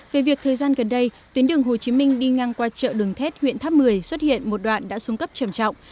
về việc thời gian gần đây tuyến đường hồ chí minh đi ngang qua chợ đường thét huyện tháp một mươi xuất hiện một đoạn đã xuống cấp trầm trọng